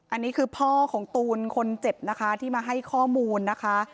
อันนี้คือพ่อของตูนคนเจ็บนะคะที่มาให้ข้อมูลนะคะ